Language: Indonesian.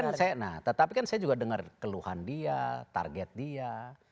jadi kan saya nah tetapi kan saya juga denger keluhan dia target dia